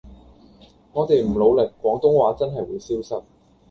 我地唔努力廣東話真係會消失